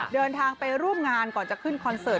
เดินทางไปร่วมงานก่อนจะขึ้นคอนเสิร์ต